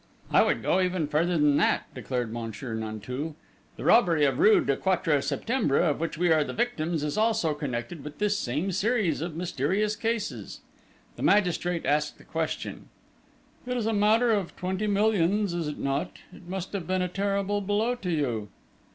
"I would go even further than that," declared Monsieur Nanteuil. "The robbery of rue du Quatre Septembre, of which we are the victims, is also connected with this same series of mysterious cases." The magistrate asked a question. "It is a matter of twenty millions, is it not? It must have been a terrible blow to you?"